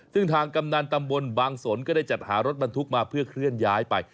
ซึ่งทางกำนันตำบลบางสนก็ได้จัดหารถบรรทุกมาเพื่อเคลื่อนย้ายไป